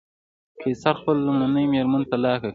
قیصر خپله لومړۍ مېرمن طلاق کړه.